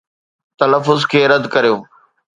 تلفظ کي رد ڪريو